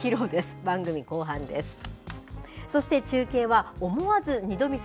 番組後半です。